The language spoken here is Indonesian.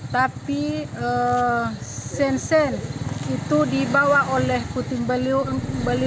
tapi sen sen itu dibawa oleh puting beliung